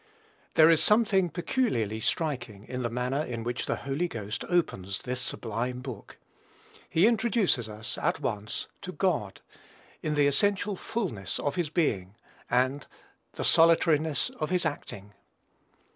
There is something peculiarly striking in the manner in which the Holy Ghost opens this sublime book. He introduces us, at once, to God, in the essential fulness of his being, and the solitariness of his acting.